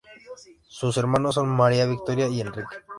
Sus hermanos son María Victoria y Enrique.